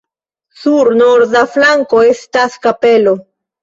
Sur norda flanko estas kapelo.